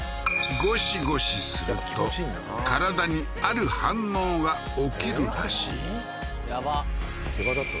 ゴシゴシすると体にある反応が起きるらしいやばっけばだつ？